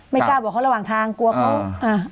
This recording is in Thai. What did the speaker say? ไม่กล้าบอกเขาระหว่างทางกลัวเขาอ่า